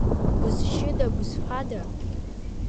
Бызшьыда, бызфада?!